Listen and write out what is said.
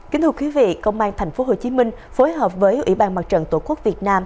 kính thưa quý vị công an tp hcm phối hợp với ủy ban mặt trận tổ quốc việt nam